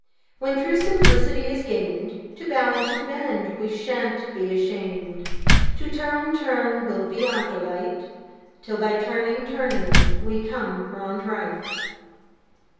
When true simplicity is gain'd, To bow and to bend we shan't be asham'd, To turn, turn will be our delight 'Till by turning, turning we come round right.